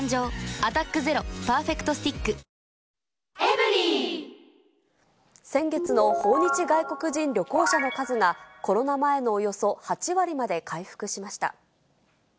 「アタックＺＥＲＯパーフェクトスティック」先月の訪日外国人旅行者の数が、コロナ前のおよそ８割まで回復しました。